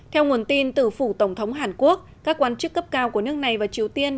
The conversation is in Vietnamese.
theo nguồn tin từ phủ tổng thống hàn quốc các quan chức cấp cao của nước này và triều tiên